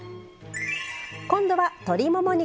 今度は鶏もも肉。